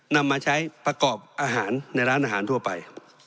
นำมาใช้ประกอบอาหารในร้านอาหารทั่วไป